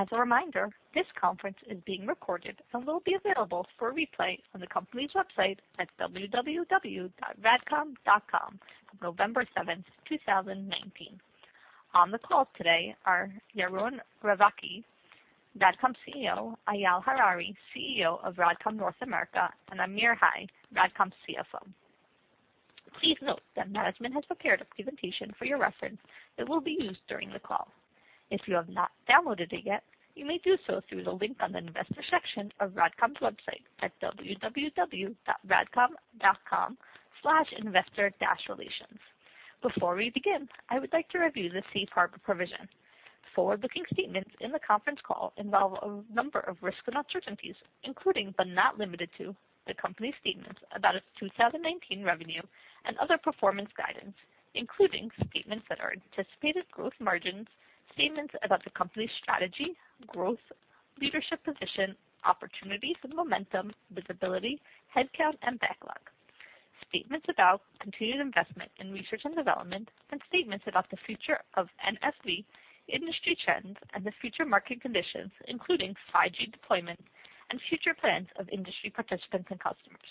As a reminder, this conference is being recorded and will be available for replay on the company's website at www.radcom.com on November 7th, 2019. On the call today are Yaron Ravkaie, RADCOM CEO, Eyal Harari, CEO of RADCOM North America, and Amir Hai, RADCOM CFO. Please note that management has prepared a presentation for your reference that will be used during the call. If you have not downloaded it yet, you may do so through the link on the investor section of RADCOM's website at www.radcom.com/investor-relations. Before we begin, I would like to review the safe harbor provision. Forward-looking statements in the conference call involve a number of risks and uncertainties, including but not limited to, the company's statements about its 2019 revenue and other performance guidance, including statements that are anticipated growth margins, statements about the company's strategy, growth, leadership position, opportunities and momentum, visibility, headcount, and backlog. Statements about continued investment in research and development and statements about the future of NFV, industry trends, and the future market conditions, including 5G deployment and future plans of industry participants and customers.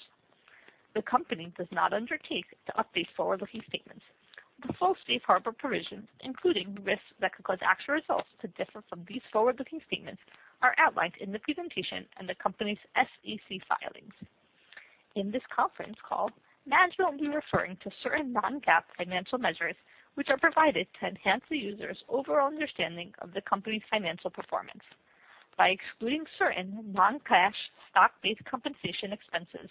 The company does not undertake to update forward-looking statements. The full safe harbor provision, including the risks that could cause actual results to differ from these forward-looking statements, are outlined in the presentation and the company's SEC filings. In this conference call, management will be referring to certain non-GAAP financial measures, which are provided to enhance the user's overall understanding of the company's financial performance. By excluding certain non-cash stock-based compensation expenses,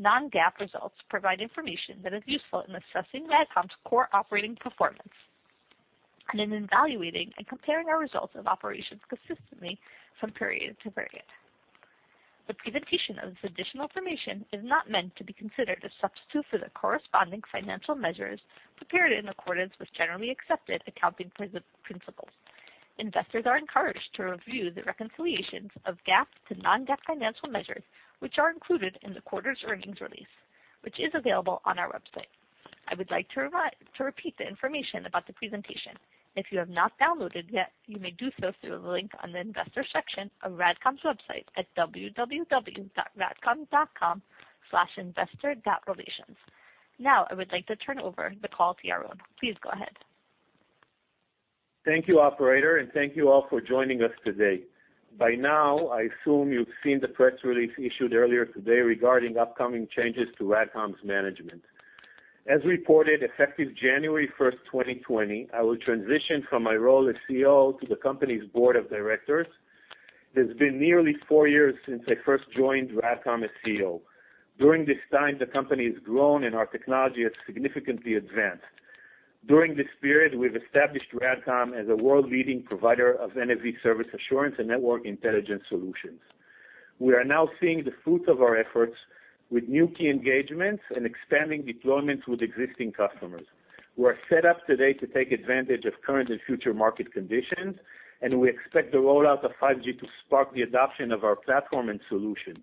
non-GAAP results provide information that is useful in assessing RADCOM's core operating performance and in evaluating and comparing our results of operations consistently from period to period. The presentation of this additional information is not meant to be considered a substitute for the corresponding financial measures prepared in accordance with generally accepted accounting principles. Investors are encouraged to review the reconciliations of GAAP to non-GAAP financial measures, which are included in the quarter's earnings release, which is available on our website. I would like to repeat the information about the presentation. If you have not downloaded yet, you may do so through the link on the investor section of RADCOM's website at www.radcom.com/investor-relations. Now, I would like to turn over the call to Yaron. Please go ahead. Thank you, operator, and thank you all for joining us today. By now, I assume you've seen the press release issued earlier today regarding upcoming changes to RADCOM's management. As reported, effective January 1st, 2020, I will transition from my role as CEO to the company's board of directors. It has been nearly four years since I first joined RADCOM as CEO. During this time, the company has grown, and our technology has significantly advanced. During this period, we've established RADCOM as a world leading provider of NFV service assurance and network intelligence solutions. We are now seeing the fruits of our efforts with new key engagements and expanding deployments with existing customers. We are set up today to take advantage of current and future market conditions, and we expect the rollout of 5G to spark the adoption of our platform and solutions.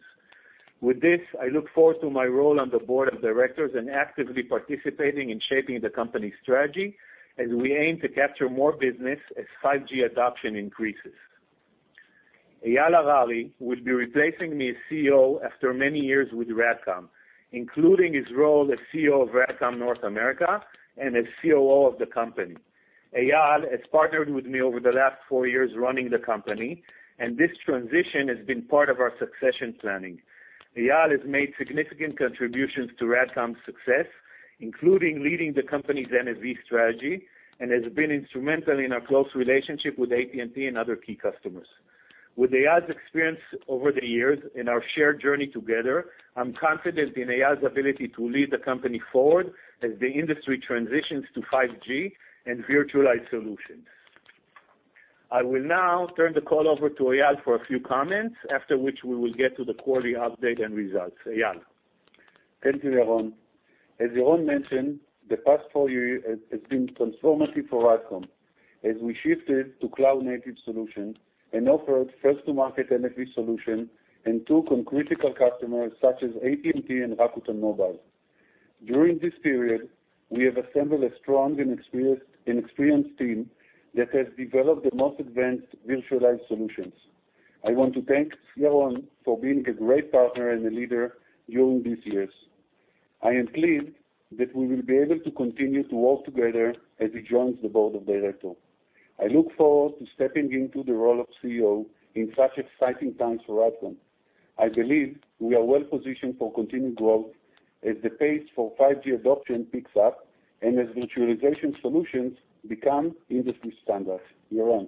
With this, I look forward to my role on the board of directors and actively participating in shaping the company's strategy as we aim to capture more business as 5G adoption increases. Eyal Harari will be replacing me as CEO after many years with RADCOM, including his role as CEO of RADCOM North America and as COO of the company. Eyal has partnered with me over the last four years running the company, and this transition has been part of our succession planning. Eyal has made significant contributions to RADCOM's success, including leading the company's NFV strategy and has been instrumental in our close relationship with AT&T and other key customers. With Eyal's experience over the years and our shared journey together, I'm confident in Eyal's ability to lead the company forward as the industry transitions to 5G and virtualized solutions. I will now turn the call over to Eyal for a few comments, after which we will get to the quarterly update and results. Eyal. Thank you, Yaron. As Yaron mentioned, the past four years has been transformative for RADCOM as we shifted to cloud-native solutions and offered first to market NFV solution and two critical customers such as AT&T and Rakuten Mobile. During this period, we have assembled a strong and experienced team that has developed the most advanced virtualized solutions. I want to thank Yaron for being a great partner and a leader during these years. I am pleased that we will be able to continue to work together as he joins the board of directors. I look forward to stepping into the role of CEO in such exciting times for RADCOM. I believe we are well positioned for continued growth as the pace for 5G adoption picks up and as virtualization solutions become industry standards. Yaron.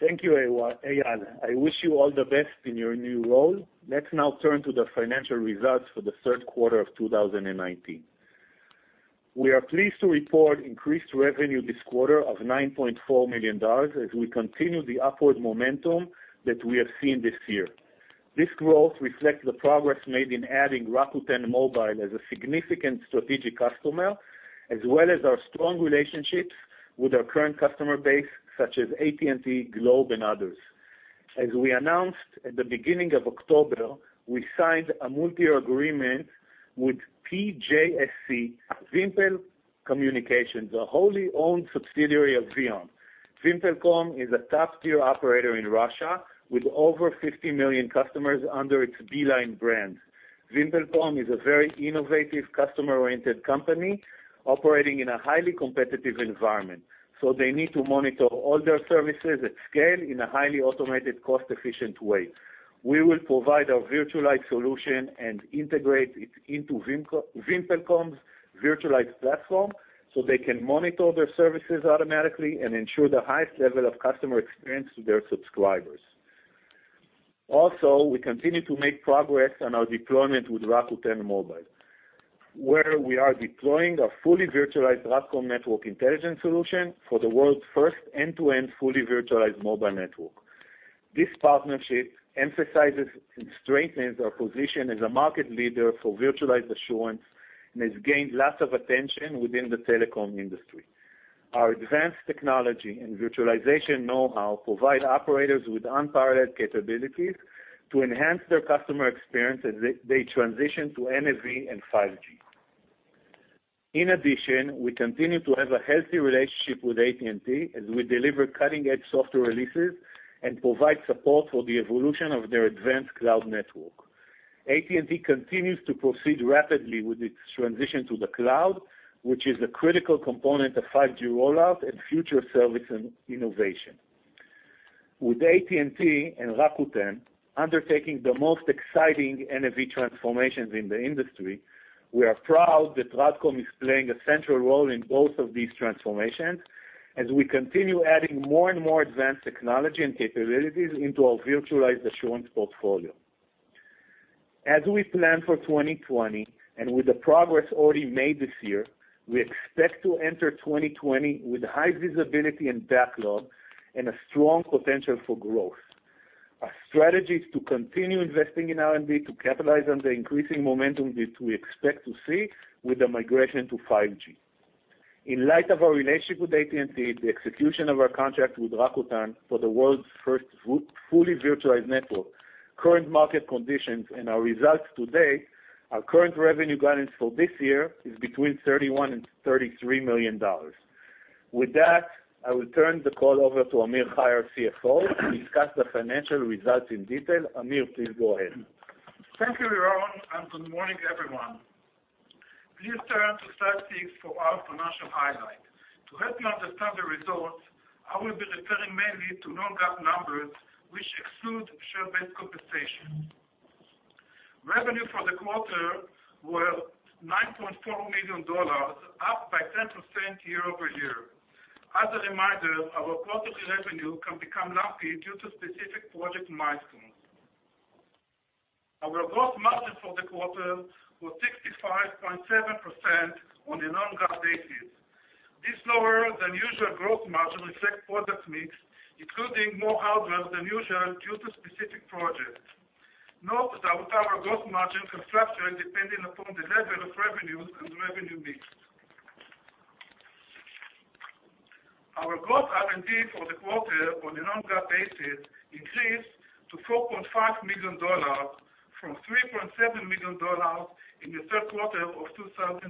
Thank you, Eyal. I wish you all the best in your new role. Let's now turn to the financial results for the third quarter of 2019. We are pleased to report increased revenue this quarter of $9.4 million as we continue the upward momentum that we have seen this year. This growth reflects the progress made in adding Rakuten Mobile as a significant strategic customer, as well as our strong relationships with our current customer base such as AT&T, Globe, and others. As we announced at the beginning of October, we signed a multi-year agreement with PJSC VimpelCom, the wholly owned subsidiary of VEON. VimpelCom is a top-tier operator in Russia with over 50 million customers under its Beeline brand. VimpelCom is a very innovative, customer-oriented company operating in a highly competitive environment, so they need to monitor all their services at scale in a highly automated, cost-efficient way. We will provide our virtualized solution and integrate it into VimpelCom's virtualized platform so they can monitor their services automatically and ensure the highest level of customer experience to their subscribers. Also, we continue to make progress on our deployment with Rakuten Mobile, where we are deploying a fully virtualized RADCOM Network Intelligence solution for the world's first end-to-end fully virtualized mobile network. This partnership emphasizes and strengthens our position as a market leader for virtualized assurance and has gained lots of attention within the telecom industry. Our advanced technology and virtualization know-how provide operators with unparalleled capabilities to enhance their customer experience as they transition to NFV and 5G. In addition, we continue to have a healthy relationship with AT&T as we deliver cutting-edge software releases and provide support for the evolution of their advanced cloud network. AT&T continues to proceed rapidly with its transition to the cloud, which is a critical component of 5G rollout and future service and innovation. With AT&T and Rakuten undertaking the most exciting NFV transformations in the industry, we are proud that RADCOM is playing a central role in both of these transformations as we continue adding more and more advanced technology and capabilities into our virtualized assurance portfolio. As we plan for 2020, and with the progress already made this year, we expect to enter 2020 with high visibility and backlog and a strong potential for growth. Our strategy is to continue investing in R&D to capitalize on the increasing momentum that we expect to see with the migration to 5G. In light of our relationship with AT&T, the execution of our contract with Rakuten for the world's first fully virtualized network, current market conditions, and our results to date, our current revenue guidance for this year is between $31 and $33 million. With that, I will turn the call over to Amir Hai, CFO, to discuss the financial results in detail. Amir, please go ahead. Thank you, Yaron, and good morning, everyone. Please turn to slide six for our financial highlights. To help you understand the results, I will be referring mainly to non-GAAP numbers, which exclude share-based compensation. Revenue for the quarter was $9.4 million, up by 10% year-over-year. As a reminder, our quarterly revenue can become lumpy due to specific project milestones. Our gross margin for the quarter was 65.7% on a non-GAAP basis. This lower-than-usual gross margin reflects product mix, including more hardware than usual due to specific projects. Note that our gross margin can fluctuate depending upon the level of revenues and revenue mix. Our gross R&D for the quarter on a non-GAAP basis increased to $4.5 million from $3.7 million in the third quarter of 2018.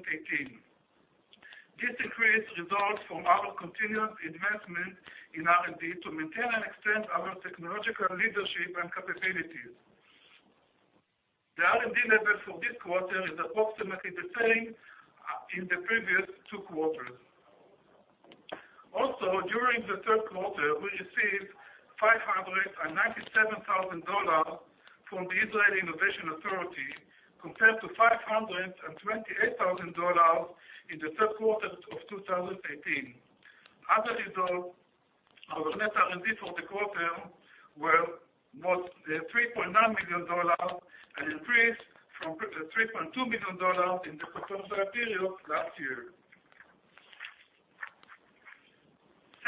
This increase results from our continued investment in R&D to maintain and extend our technological leadership and capabilities. The R&D level for this quarter is approximately the same in the previous two quarters. During the third quarter, we received $597,000 from the Israel Innovation Authority, compared to $528,000 in the third quarter of 2018. Our net R&D for the quarter was $3.9 million, an increase from $3.2 million in the corresponding period last year.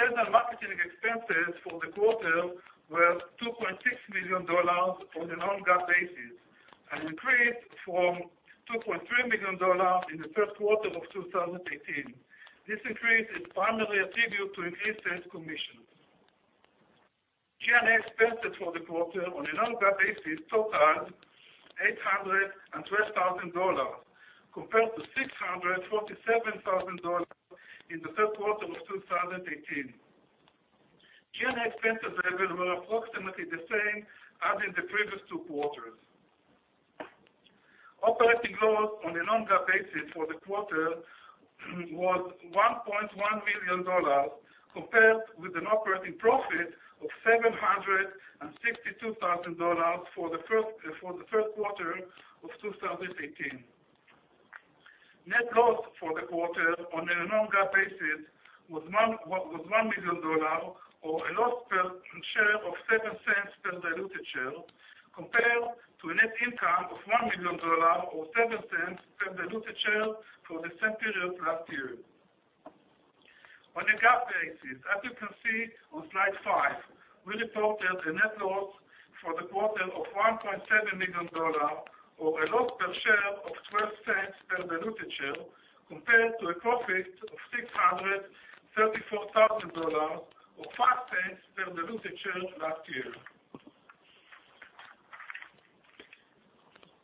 Sales and marketing expenses for the quarter were $2.6 million on a non-GAAP basis, an increase from $2.3 million in the third quarter of 2018. This increase is primarily attributable to increased sales commissions. G&A expenses for the quarter on a non-GAAP basis totaled $812,000, compared to $647,000 in the third quarter of 2018. G&A expense levels were approximately the same as in the previous two quarters. Operating loss on a non-GAAP basis for the quarter was $1.1 million, compared with an operating profit of $762,000 for the first quarter of 2018. Net loss for the quarter on a non-GAAP basis was $1 million, or a loss per share of $0.07 per diluted share, compared to a net income of $1 million, or $0.07 per diluted share for the same period last year. On a GAAP basis, as you can see on slide five, we reported a net loss For the quarter of $1.7 million, or a loss per share of $0.12 per diluted share, compared to a profit of $634,000 or $0.05 per diluted share last year.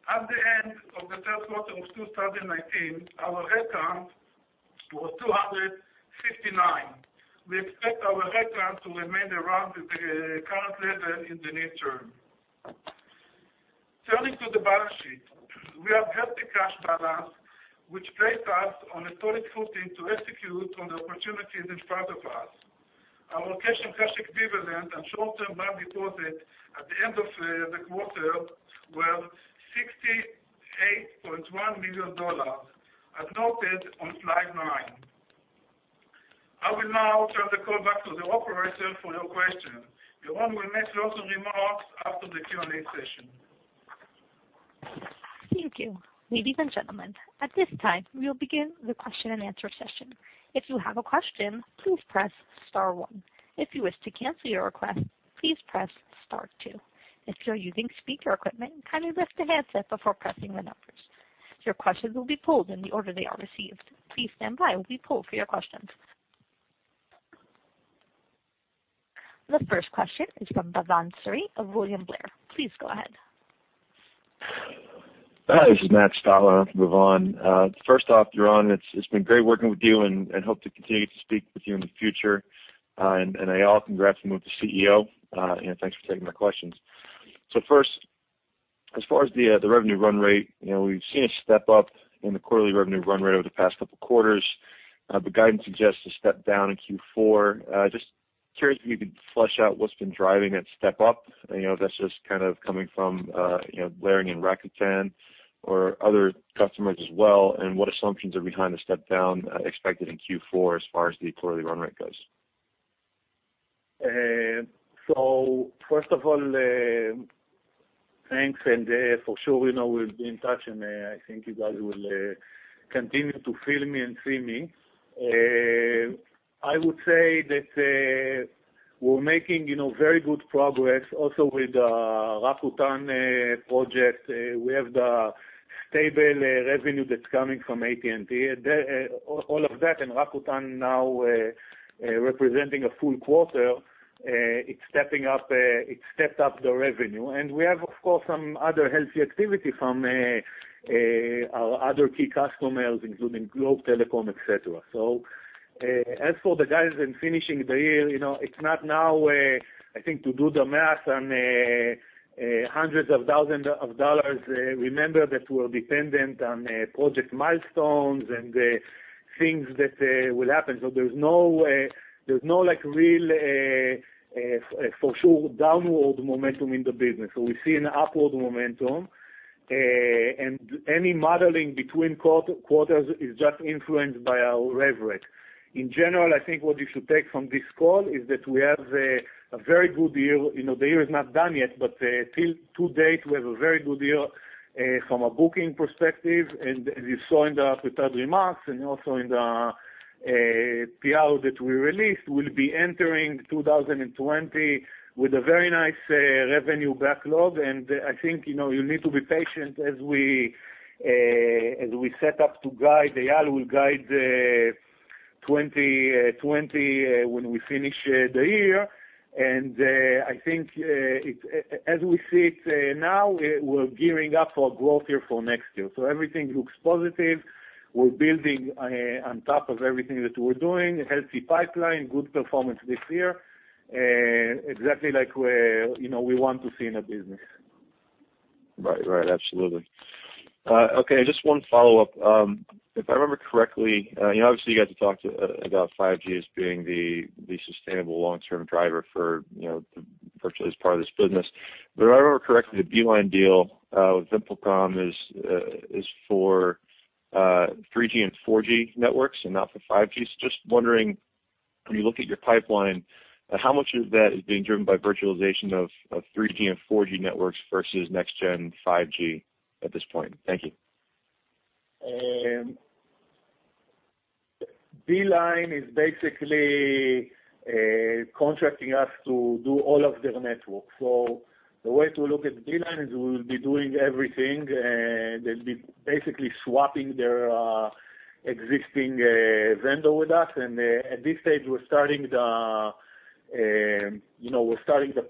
At the end of the third quarter of 2019, our head count was 259. We expect our head count to remain around the current level in the near term. Turning to the balance sheet, we have a healthy cash balance, which places us on a solid footing to execute on the opportunities in front of us. Our liquid cash equivalent and short-term bank deposits at the end of the quarter were $68.1 million, as noted on slide nine. I will now turn the call back to the operator for your questions. Yaron will make closing remarks after the Q&A session. Thank you. Ladies and gentlemen, at this time, we'll begin the question-and-answer session. If you have a question, please press *1. If you wish to cancel your request, please press *2. If you're using speaker equipment, kindly lift the handset before pressing the numbers. Your questions will be pulled in the order they are received. Please stand by while we pull for your questions. The first question is from Bhavan Suri of William Blair. Please go ahead. Hi, this is Matt Stotler for Bhavan. First off, Yaron, it's been great working with you and hope to continue to speak with you in the future, and I congrats you with the CEO, and thanks for taking my questions. First, as far as the revenue run rate, we've seen a step-up in the quarterly revenue run rate over the past couple of quarters. The guidance suggests a step-down in Q4. Just curious if you could flesh out what's been driving that step up, and if that's just coming from blaring in Rakuten or other customers as well, and what assumptions are behind the step-down expected in Q4 as far as the quarterly run rate goes? First of all, thanks, for sure, we'll be in touch and I think you guys will continue to field me and see me. I would say that we're making very good progress also with the Rakuten project. We have the stable revenue that's coming from AT&T. All of that and Rakuten now representing a full quarter, it stepped up the revenue. We have, of course, some other healthy activity from our other key customers, including Globe Telecom, et cetera. As for the guidance and finishing the year, it's not now, I think, to do the math on hundreds of thousands of dollars. Remember that we're dependent on project milestones and things that will happen. There's no real for sure downward momentum in the business. We see an upward momentum, and any modeling between quarters is just influenced by our rev rec. In general, I think what you should take from this call is that we have a very good year. The year is not done yet, but till to date, we have a very good year from a booking perspective, and as you saw in the prepared remarks and also in the PR that we released, we'll be entering 2020 with a very nice revenue backlog. I think you need to be patient as we set up to guide. Eyal will guide 2020 when we finish the year. I think as we see it now, we're gearing up for a growth year for next year. Everything looks positive. We're building on top of everything that we're doing, a healthy pipeline, good performance this year, exactly like we want to see in the business. Right. Absolutely. Okay, just one follow-up. If I remember correctly, obviously you guys have talked about 5G as being the sustainable long-term driver for virtually as part of this business. If I remember correctly, the Beeline deal with VimpelCom is for 3G and 4G networks and not for 5G. Just wondering, when you look at your pipeline, how much of that is being driven by virtualization of 3G and 4G networks versus next gen 5G at this point? Thank you. Beeline is basically contracting us to do all of their network. The way to look at Beeline is we'll be doing everything. They'll be basically swapping their existing vendor with us. At this stage, we're starting the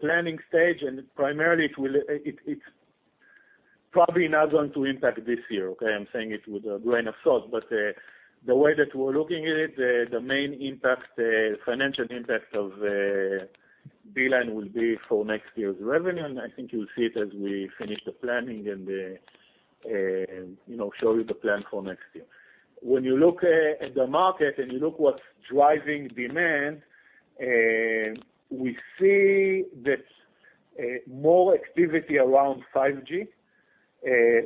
planning stage, and primarily it's probably not going to impact this year. Okay? I'm saying it with a grain of salt, but the way that we're looking at it, the main impact, financial impact of Beeline will be for next year's revenue, and I think you'll see it as we finish the planning and show you the plan for next year. When you look at the market and you look at what's driving demand, we see that more activity around 5G.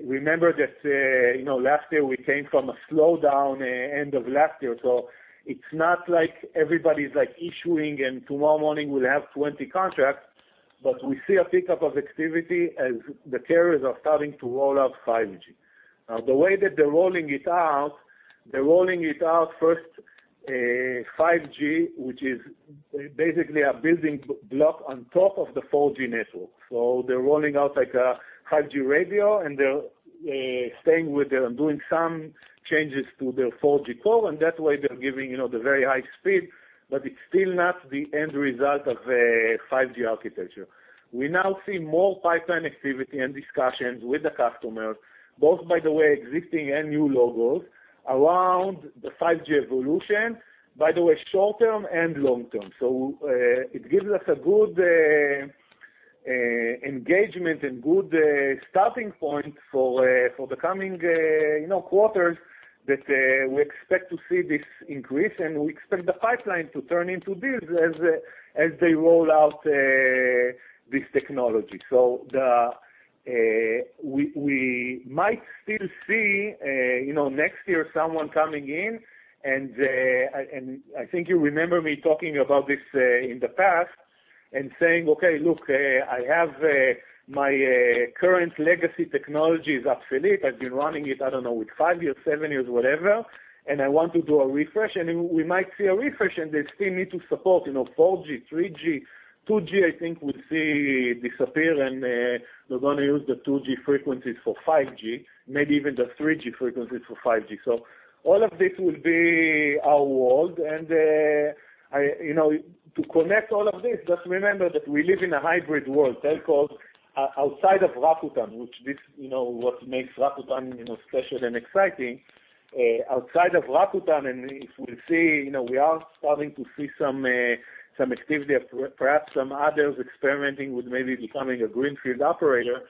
Remember that last year we came from a slowdown end of last year, so it's not like everybody's issuing and tomorrow morning we'll have 20 contracts, but we see a pickup of activity as the carriers are starting to roll out 5G. Now, the way that they're rolling it out, they're rolling it out first 5G, which is basically a building block on top of the 4G network. They're rolling out like a 5G radio, and they're staying with doing some changes to their 4G core, and that way they're giving the very high speed, but it's still not the end result of a 5G architecture. We now see more pipeline activity and discussions with the customers, both by the way, existing and new logos, around the 5G evolution, by the way, short-term and long-term. It gives us a good engagement and good starting point for the coming quarters that we expect to see this increase, and we expect the pipeline to turn into deals as they roll out this technology. We might still see next year someone coming in and, I think you remember me talking about this in the past and saying, "Okay, look, I have my current legacy technologies at Philip. I've been running it, I don't know, with five years, seven years, whatever, and I want to do a refresh." We might see a refresh, and they still need to support 4G, 3G. 2G, I think, we see disappear, and they're going to use the 2G frequencies for 5G, maybe even the 3G frequencies for 5G. All of this will be our world and to connect all of this, just remember that we live in a hybrid world. Telco, outside of Rakuten, which this, what makes Rakuten special and exciting, outside of Rakuten, and if we'll see, we are starting to see some activity, perhaps some others experimenting with maybe becoming a greenfield operator.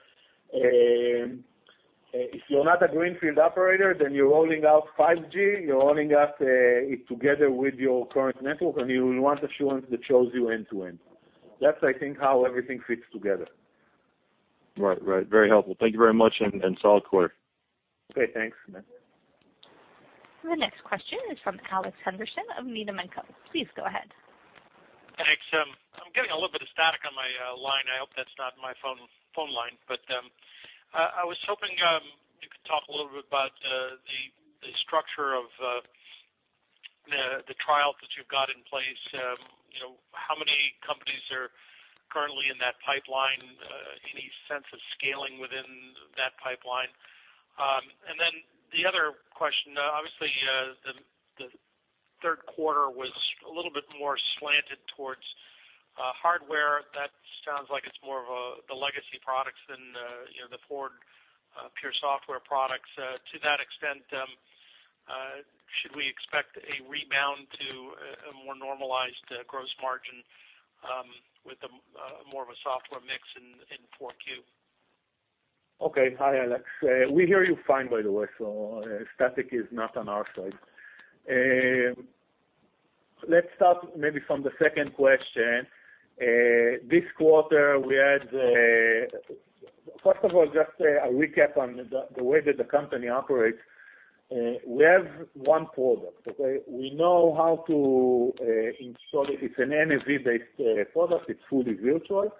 If you're not a greenfield operator, you're rolling out 5G, you're rolling out it together with your current network, and you want assurance that shows you end-to-end. That's, I think, how everything fits together. Right. Very helpful. Thank you very much, and solid quarter. Okay, thanks. The next question is from Alex Henderson of Needham & Company. Please go ahead. Thanks. I'm getting a little bit of static on my line. I hope that's not my phone line. I was hoping you could talk a little bit about the structure of the trial that you've got in place. How many companies are currently in that pipeline? Any sense of scaling within that pipeline? The other question, obviously, the third quarter was a little bit more slanted towards hardware. That sounds like it's more of the legacy products than the forward pure software products. To that extent, should we expect a rebound to a more normalized gross margin with more of a software mix in 4Q? Okay. Hi, Alex. We hear you fine, by the way, so static is not on our side. Let's start maybe from the second question. First of all, just a recap on the way that the company operates. We have one product, okay? We know how to install it. It's an NFV-based product. It's fully virtual.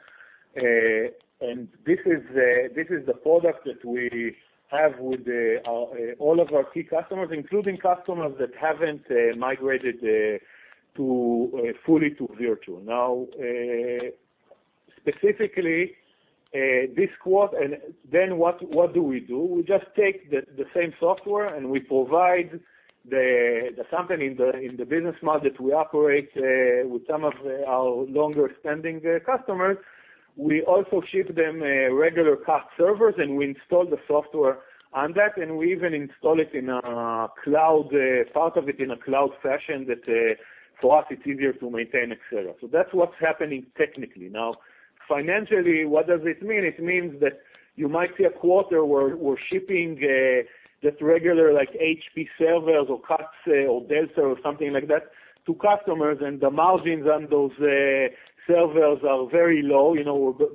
This is the product that we have with all of our key customers, including customers that haven't migrated fully to virtual. Specifically, what do we do? We just take the same software, and we provide the company in the business model that we operate with some of our longer-standing customers. We also ship them regular COTS servers, and we install the software on that, and we even install it in a cloud fashion that for us, it's easier to maintain, et cetera. That's what's happening technically. Now, financially, what does this mean? It means that you might see a quarter where we're shipping just regular HP servers or COTS or Dell or something like that to customers, and the margins on those servers are very low.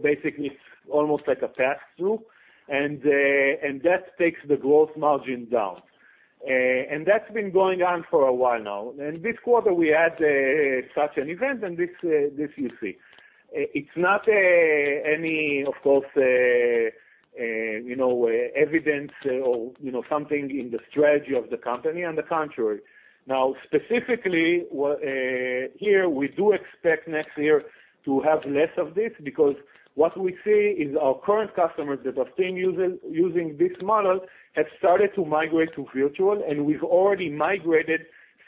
Basically, it's almost like a pass-through, and that takes the gross margin down. That's been going on for a while now. This quarter, we had such an event and this you see. It's not any, of course, evidence or something in the strategy of the company, on the contrary. Now, specifically, here, we do expect next year to have less of this because what we see is our current customers that have been using this model have started to migrate to virtual, and we've already migrated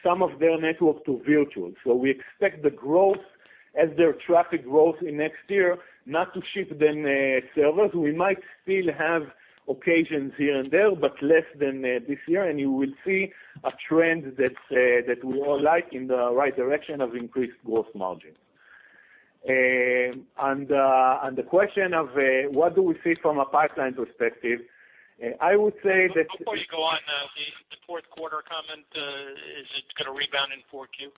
some of their network to virtual. We expect the growth as their traffic growth in next year, not to ship them servers. We might still have occasions here and there, but less than this year, and you will see a trend that we all like in the right direction of increased gross margin. The question of what do we see from a pipeline perspective. Before you go on, the fourth quarter comment, is it going to rebound in 4Q?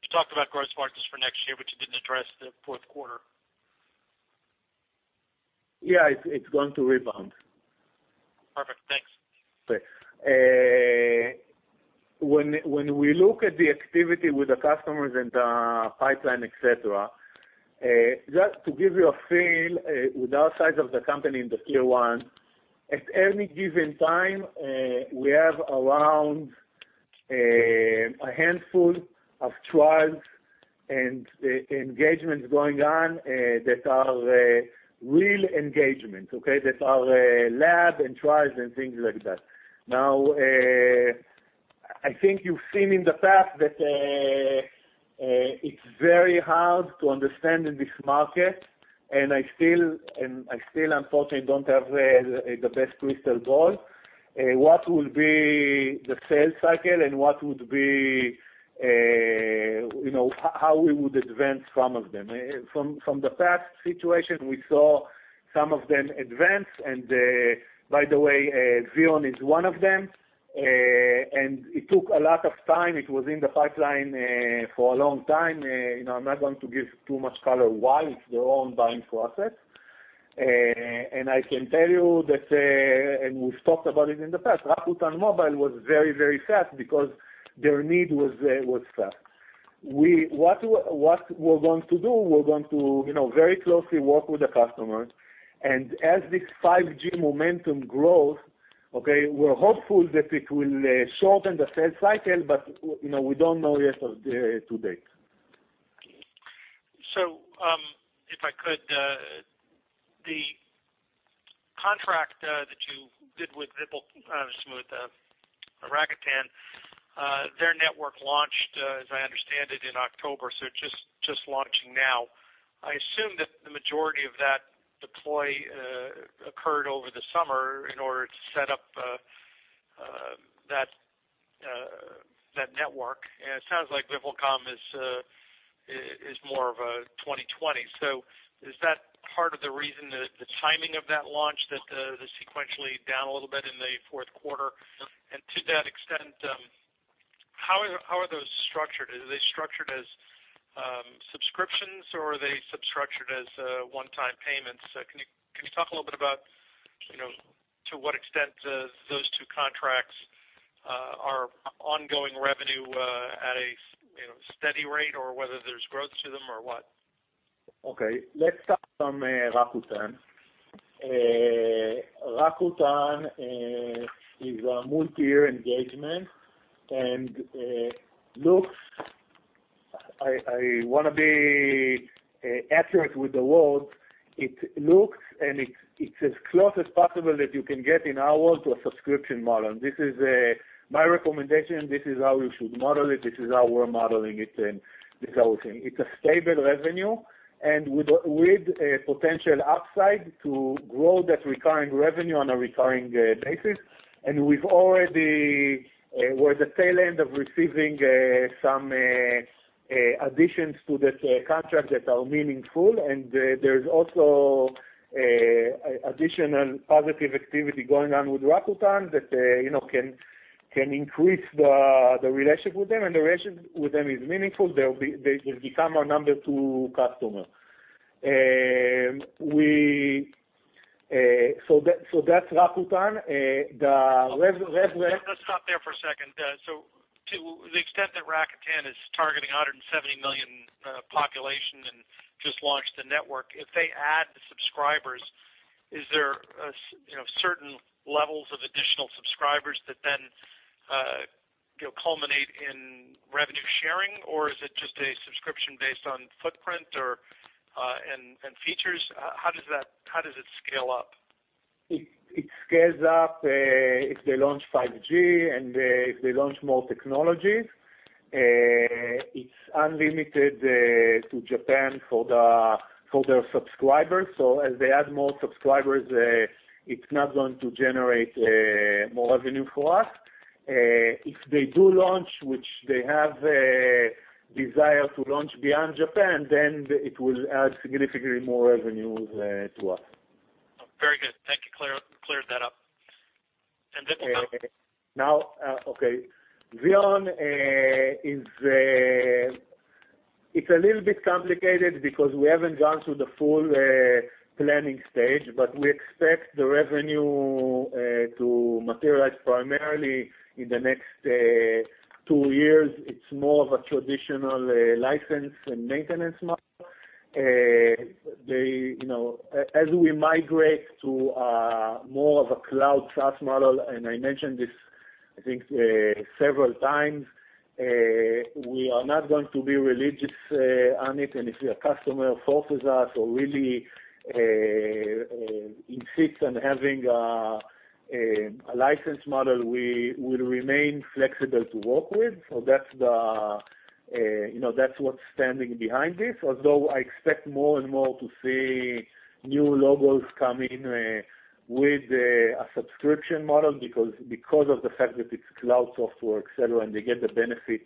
You talked about gross margins for next year, but you didn't address the fourth quarter. Yeah. It's going to rebound. Perfect. Thanks. Okay. When we look at the activity with the customers and the pipeline, et cetera, just to give you a feel, with our size of the company in the Tier 1, at any given time, we have around a handful of trials and engagements going on that are real engagements, okay? That are lab and trials and things like that. Now, I think you've seen in the past that it's very hard to understand in this market, and I still, unfortunately, don't have the best crystal ball, what will be the sales cycle and how we would advance some of them. From the past situation, we saw some of them advance, and by the way, VEON is one of them. It took a lot of time. It was in the pipeline for a long time. I'm not going to give too much color why. It's their own buying process. I can tell you that, and we've talked about it in the past, Rakuten Mobile was very fast because their need was fast. What we're going to do, we're going to very closely work with the customers. As this 5G momentum grows, okay, we're hopeful that it will shorten the sales cycle, but we don't know yet to date. If I could, the contract that you did with Rakuten, their network launched, as I understand it, in October, just launching now. I assume that the majority of that deploy occurred over the summer in order to set up that network. It sounds like VimpelCom is more of a 2020. Is that part of the reason, the timing of that launch, that they're sequentially down a little bit in the fourth quarter? To that extent, how are those structured? Are they structured as subscriptions, or are they structured as one-time payments? Can you talk a little bit about to what extent those two contracts are ongoing revenue at a steady rate or whether there's growth to them or what? Okay. Let's start from Rakuten. Rakuten is a multi-year engagement, looks, I want to be accurate with the word, it looks and it's as close as possible that you can get in our world to a subscription model. My recommendation, this is how you should model it. This is how we're modeling it, and this whole thing. It's a stable revenue, and with a potential upside to grow that recurring revenue on a recurring basis. We're at the tail end of receiving some additions to that contract that are meaningful, there's also additional positive activity going on with Rakuten that can increase the relationship with them. The relationship with them is meaningful. They will become our number two customer. That's Rakuten. Let's stop there for a second. To the extent that Rakuten is targeting 170 million population and just launched the network, if they add subscribers, is there certain levels of additional subscribers that then culminate in revenue sharing, or is it just a subscription based on footprint and features? How does it scale up? It scales up if they launch 5G and if they launch more technologies. It's unlimited to Japan for their subscribers. As they add more subscribers, it's not going to generate more revenue for us. If they do launch, which they have a desire to launch beyond Japan, it will add significantly more revenue to us. Very good. Thank you. Cleared that up. VimpelCom? Okay. VEON, it's a little bit complicated because we haven't gone through the full planning stage, but we expect the revenue to materialize primarily in the next two years. It's more of a traditional license and maintenance model. As we migrate to more of a cloud SaaS model, and I mentioned this, I think, several times, we are not going to be religious on it, and if a customer forces us or really insists on having a license model, we will remain flexible to work with. That's what's standing behind this. Although I expect more and more to see new logos come in with a subscription model because of the fact that it's cloud software, et cetera, and they get the benefit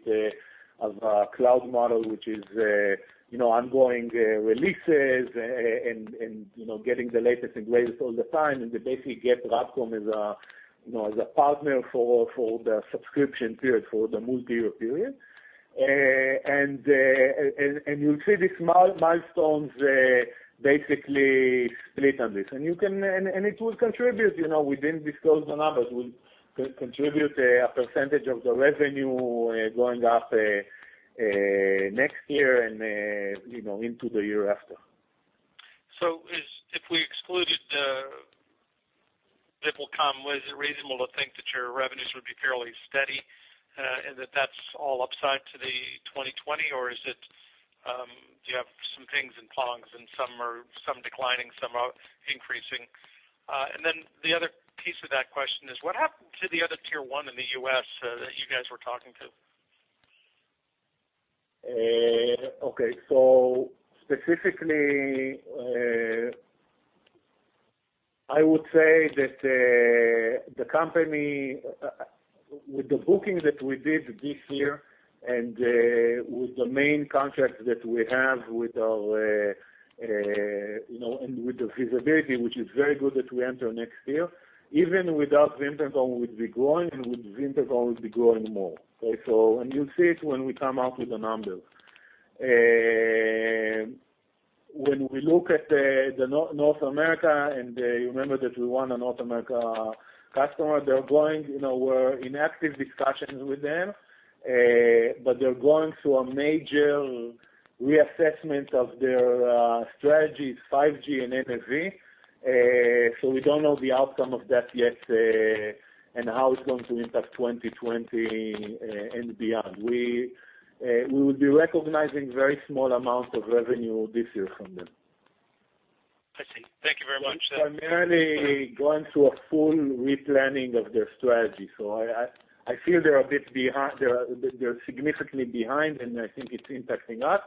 of a cloud model, which is ongoing releases and getting the latest and greatest all the time, and they basically get RADCOM as a partner for the subscription period, for the multi-year period. You'll see these milestones basically split on this. It will contribute, we didn't disclose the numbers, will contribute a percentage of the revenue going up next year and into the year after. If we excluded VimpelCom, was it reasonable to think that your revenues would be fairly steady, and that that's all upside to the 2020? Do you have some things in [backlogs] and some declining, some are increasing? The other piece of that question is what happened to the other Tier 1 in the U.S. that you guys were talking to? Okay. Specifically, I would say that the company, with the booking that we did this year and with the main contract that we have with the visibility, which is very good that we enter next year, even without VimpelCom, we'd be growing. With VimpelCom, we'd be growing more. Okay. You'll see it when we come out with the numbers. When we look at the North America, you remember that we won a North America customer. We're in active discussions with them, they're going through a major reassessment of their strategies, 5G and NFV. We don't know the outcome of that yet, how it's going to impact 2020 and beyond. We would be recognizing very small amounts of revenue this year from them. I see. Thank you very much. Primarily going through a full replanning of their strategy. I feel they're significantly behind, and I think it's impacting us.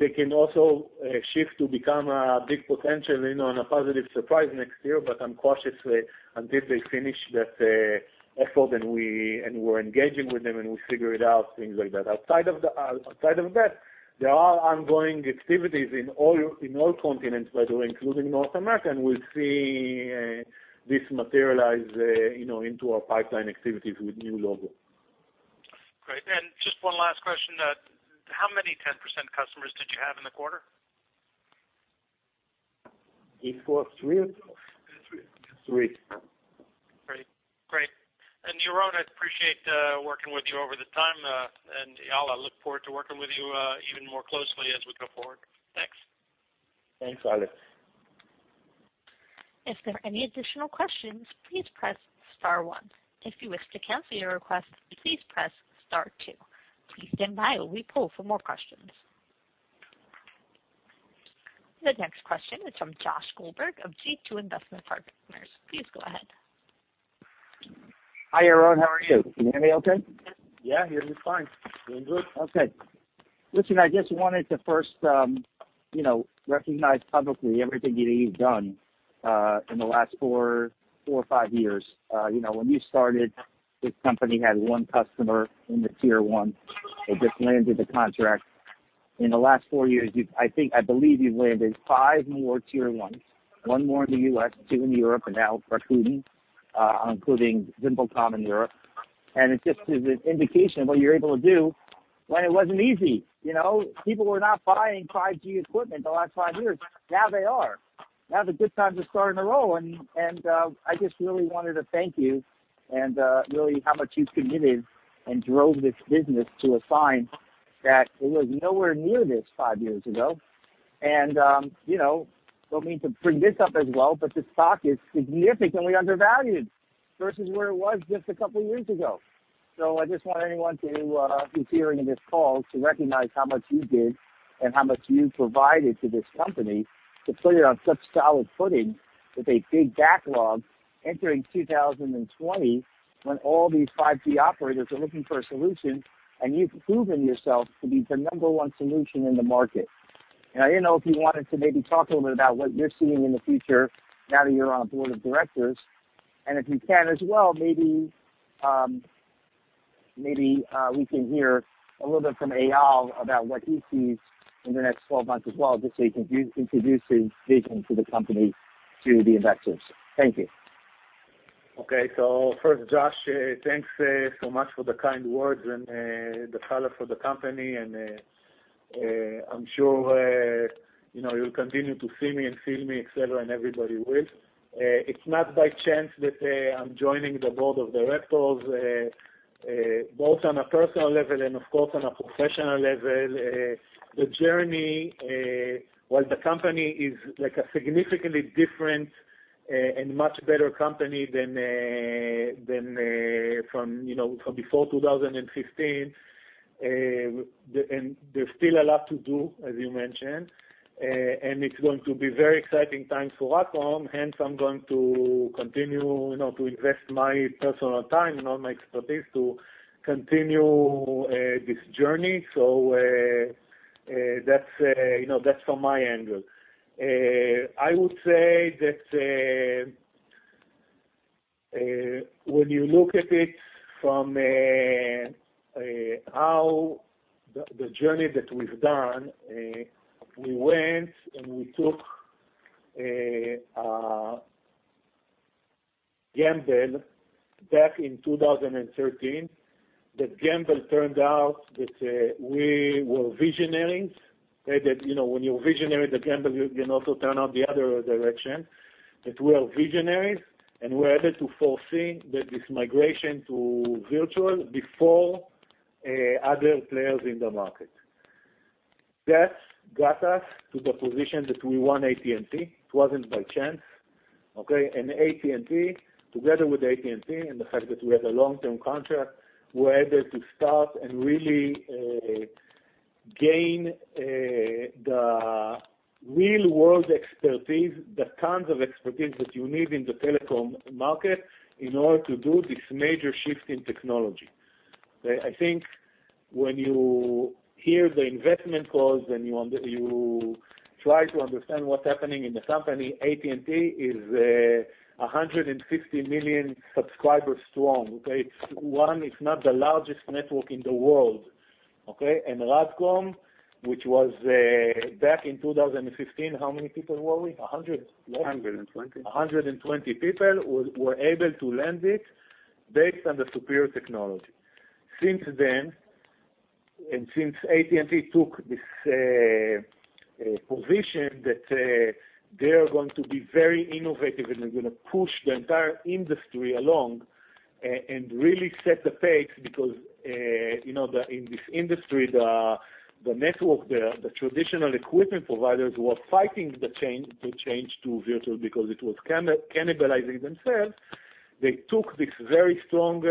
They can also shift to become a big potential and a positive surprise next year. I'm cautiously, until they finish that effort, and we're engaging with them, and we figure it out, things like that. Outside of that, there are ongoing activities in all continents by the way, including North America. We'll see this materialize into our pipeline activities with new logo. Great. Just one last question. How many 10% customers did you have in the quarter? It was three. Three. Three. Great. Yaron, I appreciate working with you over the time, and Eyal, I look forward to working with you even more closely as we go forward. Thanks. Thanks, Alex. If there are any additional questions, please press *1. If you wish to cancel your request, please press *2. Please stand by while we poll for more questions. The next question is from Josh Goldberg of G2 Investment Partners. Please go ahead. Hi, Yaron. How are you? Can you hear me okay? Yeah, hearing you fine. Doing good. Okay. Listen, I just wanted to first recognize publicly everything that you've done in the last four or five years. When you started, this company had one customer in the Tier 1 that just landed the contract. In the last four years, I believe you've landed five more Tier 1s, one more in the U.S., two in Europe, Rakuten including VimpelCom in Europe. It just is an indication of what you're able to do when it wasn't easy. People were not buying 5G equipment the last five years. Now they are. Now is a good time to start in the role, and I just really wanted to thank you on really how much you committed and drove this business to a sign that it was nowhere near this five years ago. Don't mean to bring this up as well, but the stock is significantly undervalued versus where it was just a couple of years ago. I just want anyone who's hearing this call to recognize how much you did and how much you provided to this company to put it on such solid footing with a big backlog entering 2020 when all these 5G operators are looking for a solution, and you've proven yourself to be the number 1 solution in the market. I didn't know if you wanted to maybe talk a little bit about what you're seeing in the future now that you're on board of directors. If you can as well, maybe we can hear a little bit from Eyal about what he sees in the next 12 months as well, just so you can introduce his vision to the company, to the investors. Thank you. Okay. First, Josh, thanks so much for the kind words and the color for the company, and I'm sure you'll continue to see me and feel me, et cetera, and everybody will. It's not by chance that I'm joining the board of directors, both on a personal level and of course, on a professional level. The journey, while the company is like a significantly different and much better company than from before 2015, and there's still a lot to do, as you mentioned. It's going to be very exciting times for RADCOM, hence I'm going to continue to invest my personal time and all my expertise to continue this journey. That's from my angle. I would say that when you look at it from the journey that we've done, we went, and we took a gamble back in 2013. That gamble turned out that we were visionaries. When you're a visionary, the gamble can also turn out the other direction. We are visionaries, and we were able to foresee that this migration to virtual before other players in the market. Got us to the position that we won AT&T. It wasn't by chance, okay? Together with AT&T and the fact that we have a long-term contract, we were able to start and really gain the real-world expertise, the kinds of expertise that you need in the telecom market in order to do this major shift in technology. I think when you hear the investment calls and you try to understand what's happening in the company, AT&T is 150 million subscribers strong. Okay? It's not the largest network in the world, okay? RADCOM, which was back in 2015, how many people were we, 100 what? 120. 120 people were able to land it based on the superior technology. Since then, since AT&T took this position that they are going to be very innovative and they're going to push the entire industry along and really set the pace because, in this industry, the network, the traditional equipment providers were fighting the change to virtual because it was cannibalizing themselves. They took this very strong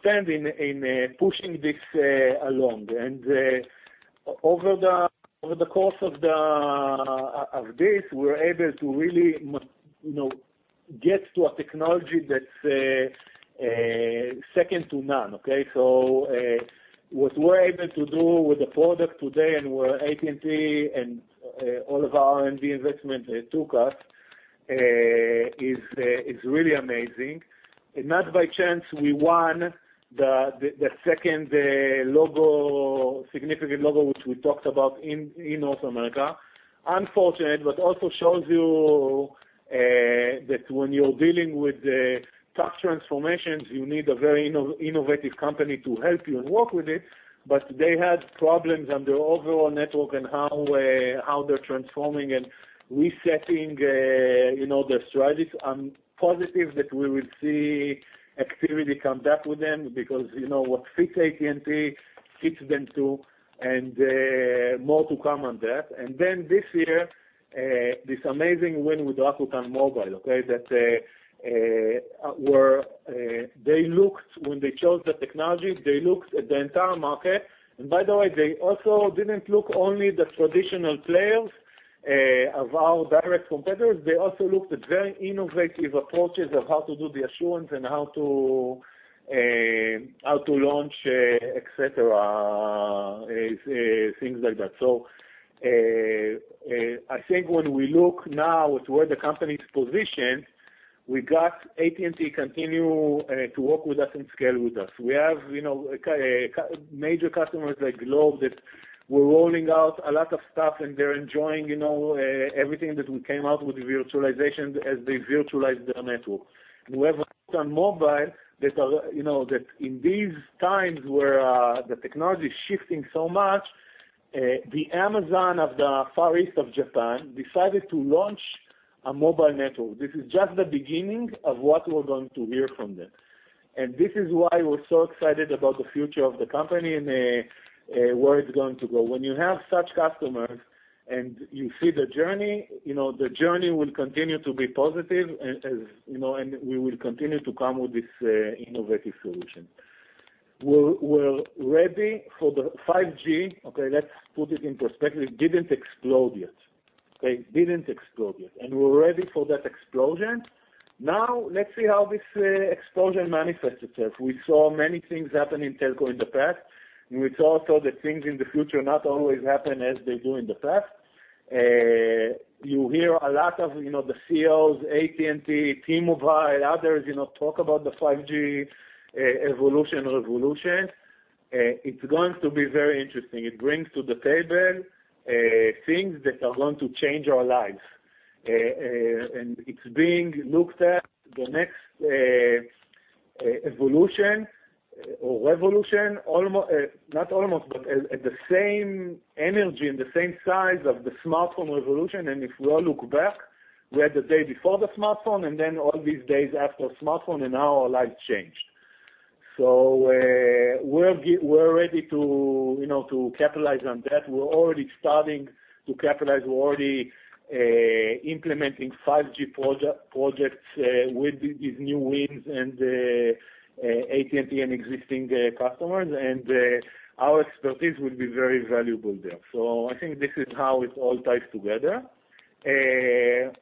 standing in pushing this along. Over the course of this, we're able to really get to a technology that's second to none, okay? What we're able to do with the product today and where AT&T and all of our R&D investment took us is really amazing. Not by chance, we won the second significant logo which we talked about in North America. Unfortunate, but also shows you that when you're dealing with such transformations, you need a very innovative company to help you and work with it, but they had problems on their overall network and how they're transforming and resetting their strategies. I'm positive that we will see activity come back with them because what fits AT&T fits them too, and more to come on that. This year, this amazing win with Rakuten Mobile, okay? That when they chose the technology, they looked at the entire market. By the way, they also didn't look only the traditional players of our direct competitors. They also looked at very innovative approaches of how to do the assurance and how to launch, et cetera, things like that. I think when we look now at where the company's positioned, we got AT&T continue to work with us and scale with us. We have major customers like Globe that we're rolling out a lot of stuff, and they're enjoying everything that we came out with virtualization as they virtualize their network. We have Rakuten Mobile that in these times where the technology is shifting so much, the Amazon of Japan decided to launch a mobile network. This is just the beginning of what we're going to hear from them. This is why we're so excited about the future of the company and where it's going to go. When you have such customers and you see the journey, the journey will continue to be positive, and we will continue to come with this innovative solution. We're ready for the 5G. Okay, let's put it in perspective. It didn't explode yet, okay? It didn't explode yet, and we're ready for that explosion. Let's see how this explosion manifests itself. We saw many things happen in telco in the past, and we saw also that things in the future not always happen as they do in the past. You hear a lot of the CEOs, AT&T-Mobile, others talk about the 5G evolution, revolution. It's going to be very interesting. It brings to the table things that are going to change our lives. It's being looked at, the next evolution or revolution, not almost, but at the same energy and the same size of the smartphone revolution. If we all look back, we had the day before the smartphone and then all these days after smartphone, and now our lives changed. We're ready to capitalize on that. We're already starting to capitalize. We're already implementing 5G projects with these new wins and AT&T and existing customers. Our expertise will be very valuable there. I think this is how it all ties together. Eyal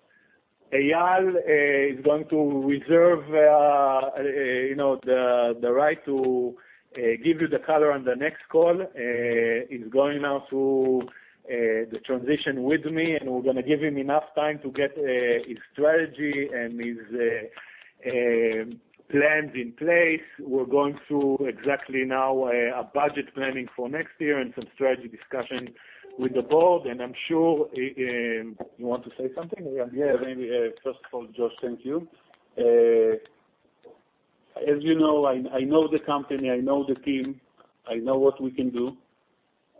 is going to reserve the right to give you the color on the next call. He's going now through the transition with me. We're going to give him enough time to get his strategy and his plans in place. We're going through exactly now a budget planning for next year and some strategy discussion with the board. I'm sure you want to say something? Yeah. First of all, Josh, thank you. As you know, I know the company, I know the team, I know what we can do.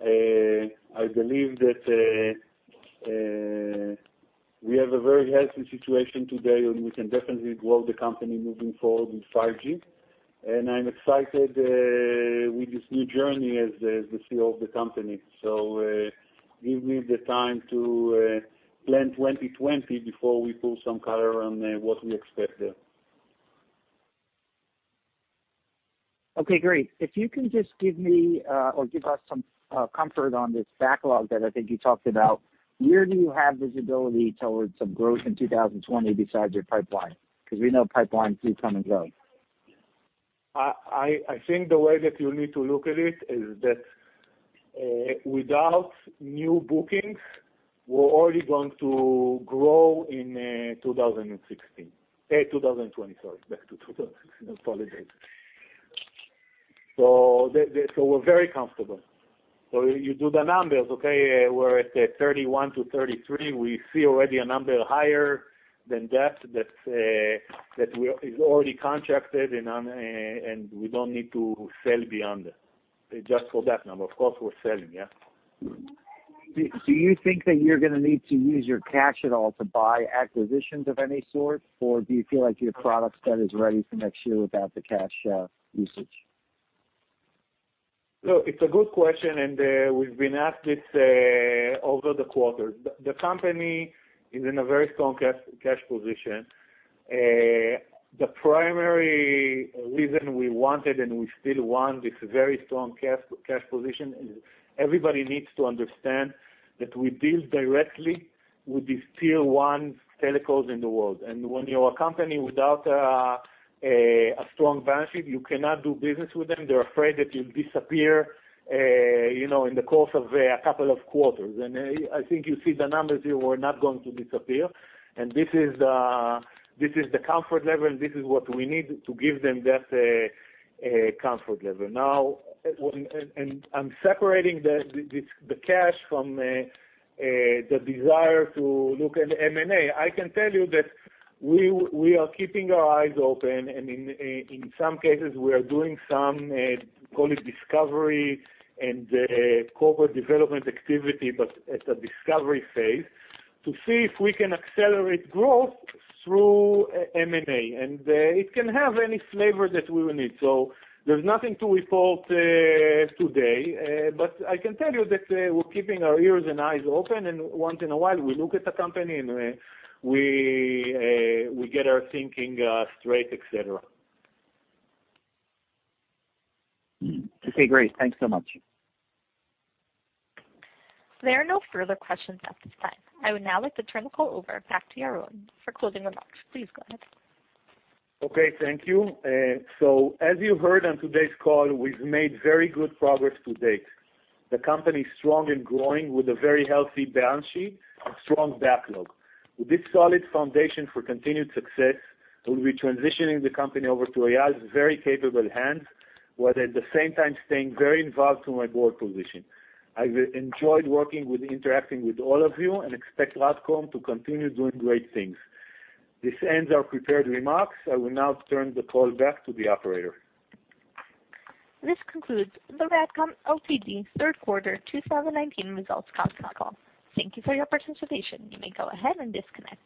I believe that we have a very healthy situation today. We can definitely grow the company moving forward with 5G. I'm excited with this new journey as the CEO of the company. Give me the time to plan 2020 before we pull some color on what we expect there. Okay, great. If you can just give me or give us some comfort on this backlog that I think you talked about. Where do you have visibility towards some growth in 2020 besides your pipeline? We know pipelines do come and go. I think the way that you need to look at it is that without new bookings, we're already going to grow in 2016. 2020, sorry. Back to 2020. Apologize. We're very comfortable. You do the numbers, okay? We're at 31 to 33. We see already a number higher than that is already contracted, and we don't need to sell beyond that. Just for that number. Of course, we're selling. Do you think that you're going to need to use your cash at all to buy acquisitions of any sort? Do you feel like your product set is ready for next year without the cash usage? Look, it's a good question, and we've been asked this over the quarters. The company is in a very strong cash position. The primary reason we wanted, and we still want this very strong cash position is everybody needs to understand that we deal directly with the Tier 1 telcos in the world. When you're a company without a strong balance sheet, you cannot do business with them. They're afraid that you'll disappear in the course of a couple of quarters. I think you see the numbers here, we're not going to disappear. This is the comfort level, this is what we need to give them that comfort level. Now, I'm separating the cash from the desire to look at M&A. I can tell you that we are keeping our eyes open, and in some cases, we are doing some, call it discovery and corporate development activity, but at a discovery phase, to see if we can accelerate growth through M&A. It can have any flavor that we will need. There's nothing to report today. I can tell you that we're keeping our ears and eyes open, and once in a while, we look at the company, and we get our thinking straight, et cetera. Okay, great. Thanks so much. There are no further questions at this time. I would now like to turn the call over back to Yaron for closing remarks. Please go ahead. Okay, thank you. As you heard on today's call, we've made very good progress to date. The company is strong and growing with a very healthy balance sheet and strong backlog. With this solid foundation for continued success, we'll be transitioning the company over to Eyal's very capable hands, while at the same time staying very involved through my board position. I've enjoyed working with interacting with all of you and expect RADCOM to continue doing great things. This ends our prepared remarks. I will now turn the call back to the operator. This concludes the RADCOM Ltd. third quarter 2019 results conference call. Thank you for your participation. You may go ahead and disconnect.